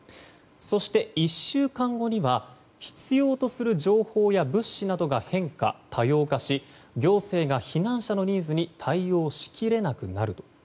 そして、１週間後には必要とする情報や物資などが変化・多様化し行政が避難者のニーズに対応しきれなくなると。